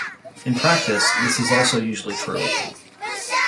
In practice, this is also usually true.